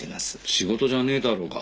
仕事じゃねえだろうが。